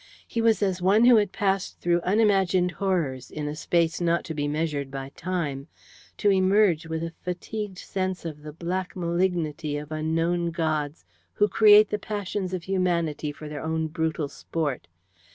He was as one who had passed through unimagined horrors in a space not to be measured by time, to emerge with a fatigued sense of the black malignity of unknown gods who create the passions of humanity for their own brutal sport.